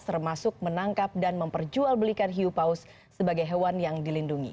termasuk menangkap dan memperjualbelikan hiu paus sebagai hewan yang dilindungi